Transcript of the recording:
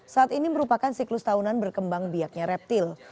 saat ini merupakan siklus tahunan berkembang biaknya reptil